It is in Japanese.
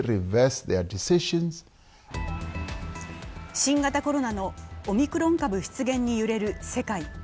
新型コロナのオミクロン株出現に揺れる世界。